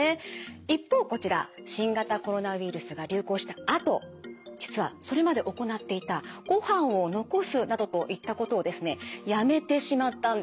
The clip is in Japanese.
一方こちら新型コロナウイルスが流行したあと実はそれまで行っていたご飯を残すなどといったことをですねやめてしまったんです。